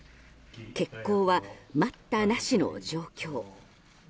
決行は待ったなしの状況。